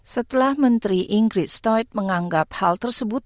setelah menteri ingrid stoidt menganggap hal tersebut